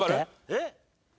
えっ？